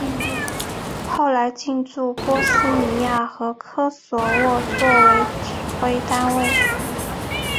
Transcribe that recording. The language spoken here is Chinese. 后来进驻波斯尼亚和科索沃作为指挥单位。